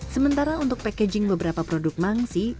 sementara untuk packaging beberapa produk mangsi